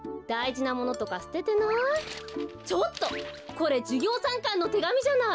これじゅぎょうさんかんのてがみじゃない！